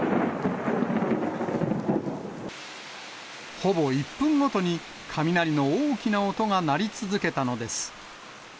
ほぼ１分ごとに、雷の大きな音が鳴り続けたのです。